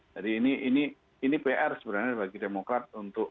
jadi ini pr sebenarnya bagi demokrat